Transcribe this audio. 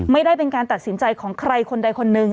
ไม่ได้เป็นการตัดสินใจของใครคนใดคนหนึ่ง